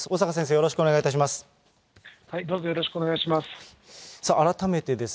よろしくお願いします。